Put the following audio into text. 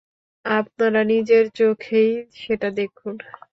আপনারা নিজের চোখেই সেটা দেখুন!